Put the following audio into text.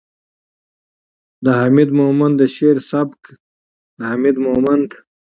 ، د حميد مومند د شعر سبک ،د حميد مومند